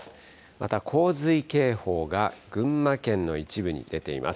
また洪水警報が群馬県の一部に出ています。